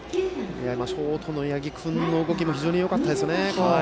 ショートの八木君の動きもよかったですね。